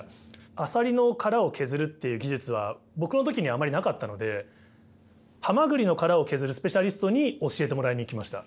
アサリの殻を削るっていう技術は僕の時にあまりなかったのでハマグリの殻を削るスペシャリストに教えてもらいに行きました。